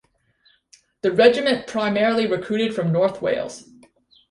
The regiment primarily recruited from North Wales.